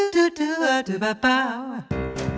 ช่วงชิมสนั่นท้องสนุก